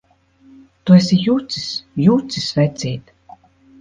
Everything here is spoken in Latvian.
Tu esi jucis! Jucis, vecīt!